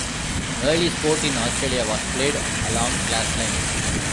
Early sport in Australia was played along class lines.